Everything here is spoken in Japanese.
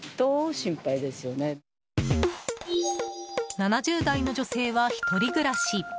７０代の女性は１人暮らし。